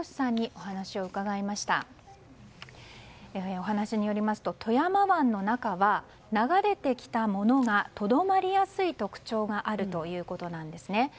お話によりますと富山湾の中は流れてきたものがとどまりやすい特徴があるということなんですね。